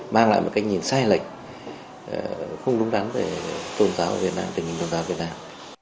mang lại một cái nhìn sai lệch không đúng đắn về tôn giáo ở việt nam tình hình tôn giáo việt nam